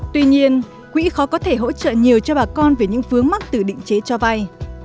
tuy nhiên quỹ khó có thể hỗ trợ nhiều cho bà con về những vướng mắc từ định chế cho vay